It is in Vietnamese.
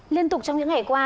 liên tục trong những ngày qua